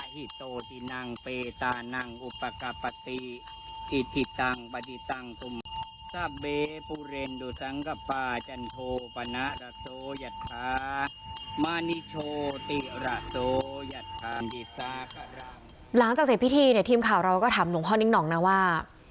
เสร็จพิธีเนี่ยทีมข่าวเราก็ถามหลวงพ่อนิ่งห่องนะว่า